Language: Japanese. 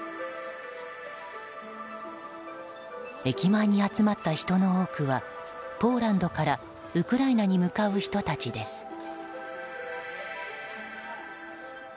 駅前に集まった人の多くはポーランドからウクライナに向かう人たちです。